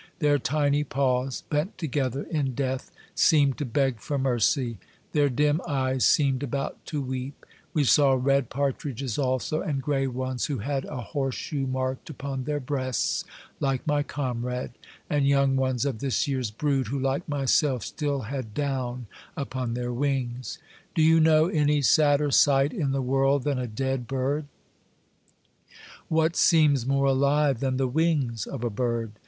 Their tiny paws, bent together in death, seemed to beg for mercy; their dim eyes seemed about to weep ; we saw red partridges also, and gray ones, who had a horseshoe marked upon their breasts, like my comrade, and young ones of this year's brood, who like myself still had down upon their wings. Do you know any sadder sight in the world than a dead bird? What seems more alive than the wings of a bird?